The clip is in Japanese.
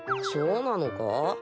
そうなのか？